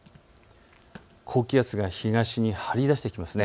高気圧が東に張り出してきますね。